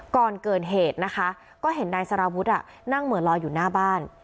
ก่อนเกิดเหตุนะคะก็เห็นนายสารวุฒินั่งเหมือนลอยอยู่หน้าบ้าน